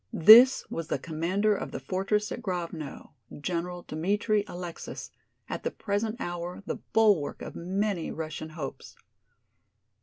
This was the Commander of the fortress at Grovno, General Dmitri Alexis, at the present hour the bulwark of many Russian hopes.